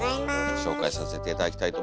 紹介させて頂きたいと思います。